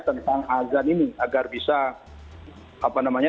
tentang azan ini agar bisa